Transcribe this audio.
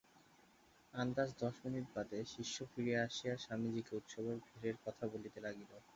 আন্দাজ দশ মিনিট বাদে শিষ্য ফিরিয়া আসিয়া স্বামীজীকে উৎসবের ভিড়ের কথা বলিতে লাগিল।